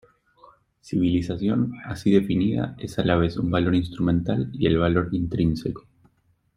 Civilización, así definida, es a la vez un valor instrumental y el valor intrínseco.